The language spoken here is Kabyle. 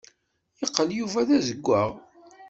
Yeqqel Yuba d azeggaɣ.